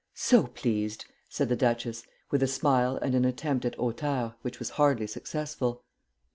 "So pleased," said the Duchess with a smile and an attempt at hauteur, which was hardly successful.